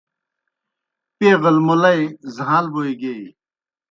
پیغل مُلئی زھاݩل بوئے گیئی۔